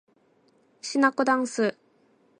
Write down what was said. しなこだんす